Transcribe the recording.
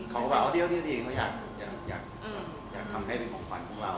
เขาบอกว่าดีเขาอยากทำให้เป็นของขวัญของเรา